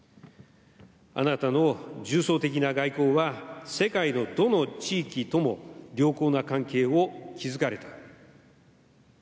あなたの重層的な外交は世界のどの地域とも良好な関係を築かれた。